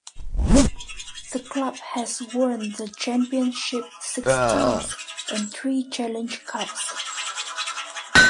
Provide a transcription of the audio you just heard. The club has won the Championship six times and three Challenge Cups.